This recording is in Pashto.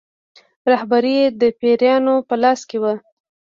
رهبري یې د پیرانو په لاس کې وه.